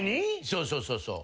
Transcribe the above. そうそうそうそう。